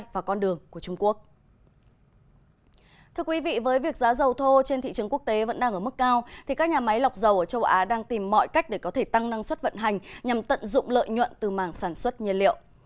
thưa quý vị với việc giá dầu thô trên thị trường quốc tế vẫn đang ở mức cao thì các nhà máy lọc dầu ở châu á đang tìm mọi cách để có thể tăng năng suất vận hành nhằm tận dụng lợi nhuận từ mảng sản xuất nhiên liệu